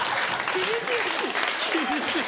厳しい。